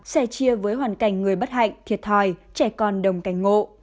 sẻ chia với hoàn cảnh người bất hạnh thiệt thòi trẻ con đồng cảnh ngộ